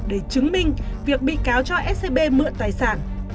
để chứng minh việc bị cáo cho scb mượn tài sản